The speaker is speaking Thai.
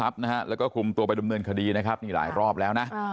ไปกับ๔คนเขาค่ะ